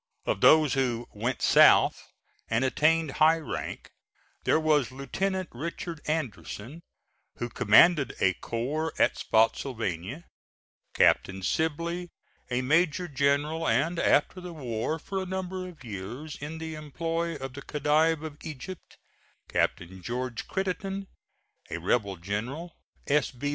Of those who "went south," and attained high rank, there was Lieutenant Richard Anderson, who commanded a corps at Spottsylvania; Captain Sibley, a major general, and, after the war, for a number of years in the employ of the Khedive of Egypt; Captain George Crittenden, a rebel general; S. B.